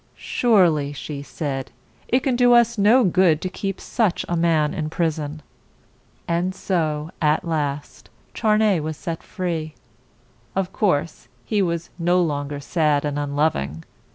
"Surely," she said, "it can do us no good to keep such a man in prison." And so, at last, Charney was set free. Of course he was no longer sad and un lov ing.